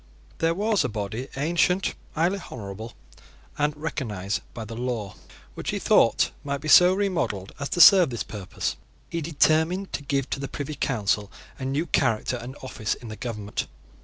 There was a body ancient, highly honourable, and recognised by the law, which, he thought, might be so remodelled as to serve this purpose. He determined to give to the Privy Council a new character and office in the government.